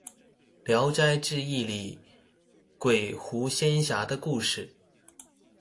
聊齋誌異裏鬼狐仙俠的故事